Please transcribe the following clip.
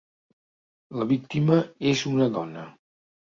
La víctima és una dona.